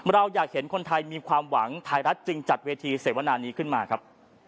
เราอยากเห็นคนไทยมีความหวังไทยรัฐจึงจัดเวทีเสวนานี้ขึ้นมาครับ